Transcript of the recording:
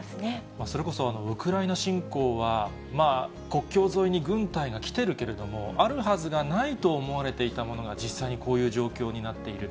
それこそ、ウクライナ侵攻は、国境沿いに軍隊が来てるけれども、あるはずがないと思われていたものが、実際にこういう状況になっている。